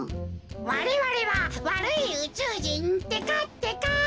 われわれはわるいうちゅうじんってかってか。